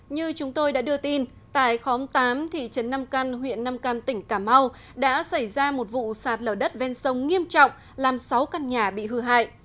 như chúng tôi đã đưa tin tại khóm tám thị trấn nam căn huyện nam căn tỉnh cà mau đã xảy ra một vụ sạt lở đất ven sông nghiêm trọng làm sáu căn nhà bị hư hại